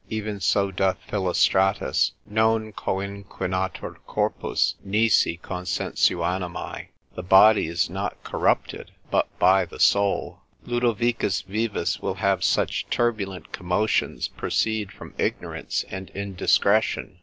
Even so doth Philostratus, non coinquinatur corpus, nisi consensuanimae; the body is not corrupted, but by the soul. Lodovicus Vives will have such turbulent commotions proceed from ignorance and indiscretion.